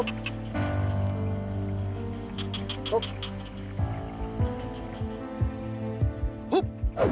aku akan membuang rambutmu